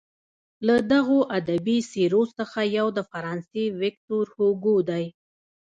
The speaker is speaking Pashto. له دغو ادبي څیرو څخه یو د فرانسې ویکتور هوګو دی.